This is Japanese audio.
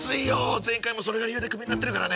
前回もそれが理由でクビになってるからね。